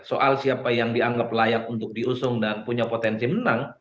soal siapa yang dianggap layak untuk diusung dan punya potensi menang